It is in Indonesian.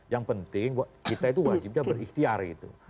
yang penting kita itu wajibnya beristiar itu